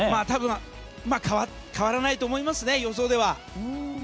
多分変わらないと思いますね、予想では。